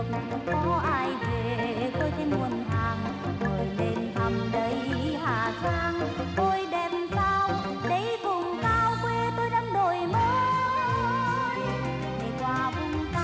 mà thanh hoa thích lắm